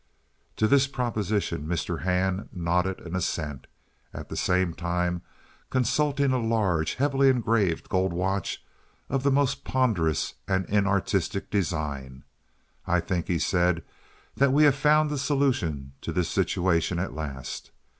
To this proposition Mr. Hand nodded an assent, at the same time consulting a large, heavily engraved gold watch of the most ponderous and inartistic design. "I think," he said, "that we have found the solution to this situation at last.